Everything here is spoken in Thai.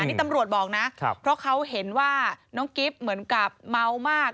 อันนี้ตำรวจบอกนะเพราะเขาเห็นว่าน้องกิฟต์เหมือนกับเมามาก